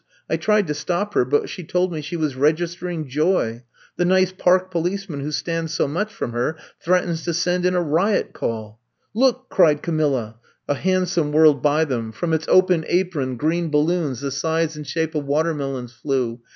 I tried to stop her but she told me she was registering joy. The nice park policeman who stands so much from her threatens to send in a riot call!" Look!" cried Camilla. A hansom whirled by them ; from its open 190 I'VE COMB TO STAY apron green balloons the size and shape of watermelons flew.